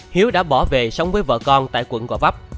hiếu đã bỏ về sống với vợ con tại quận go vap